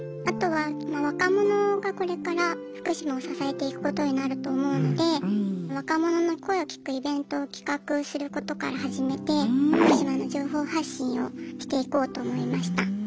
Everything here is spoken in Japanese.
あとは若者がこれから福島を支えていくことになると思うので若者の声を聞くイベントを企画することから始めて福島の情報発信をしていこうと思いました。